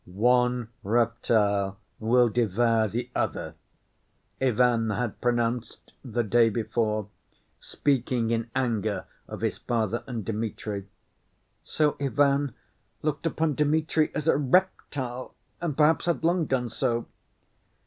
"One reptile will devour the other," Ivan had pronounced the day before, speaking in anger of his father and Dmitri. So Ivan looked upon Dmitri as a reptile, and perhaps had long done so.